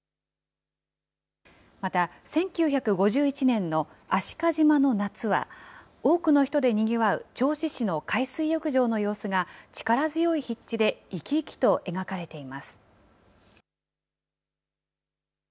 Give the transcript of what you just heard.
また、１９５１年の海鹿島の夏は、多くの人でにぎわう銚子市の海水浴場の様子が、力強い筆致で、生き生きと描かれています。